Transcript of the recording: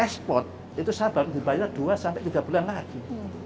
export itu sabar dibayar dua sampai tiga bulan lagi